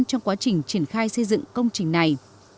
trong quá trình triển khai xây dựng công trình này